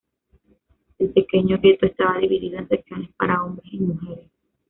El pequeño gueto estaba dividido en secciones para hombres y mujeres.